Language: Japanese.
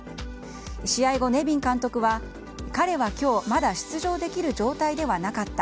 試合後、ネビン監督は彼は今日まだ出場できる状態ではなかった。